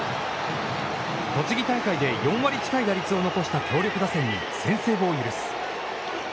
栃木大会４割近い成績を残した打線に先制を許す。